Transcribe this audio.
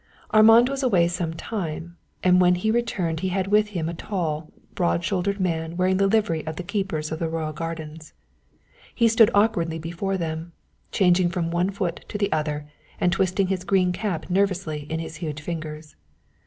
Armand was away some time, and when he returned he had with him a tall, broad shouldered man wearing the livery of the keepers of the royal gardens. He stood awkwardly before them, changing from one foot to the other and twisting his green cap nervously in his huge fingers.